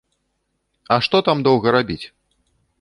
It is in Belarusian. А што там доўга рабіць?